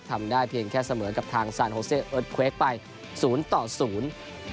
ทำได้เพียงแค่เสมือนกับทางเอิร์ดเควคไปศูนย์ต่อศูนย์